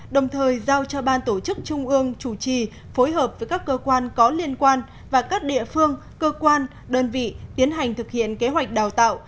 đồng thời giao cho ban tổ chức trung ương chủ trì phối hợp với các cơ quan có liên quan và các địa phương cơ quan đơn vị tiến hành thực hiện kế hoạch đào tạo